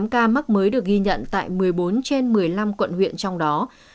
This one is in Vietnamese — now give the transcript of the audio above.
năm trăm bốn mươi tám ca mắc mới được ghi nhận tại một mươi bốn trên một mươi năm quận huyện trong đó